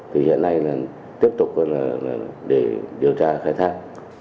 thì hiện nay là tiếp tục để điều tra khai thác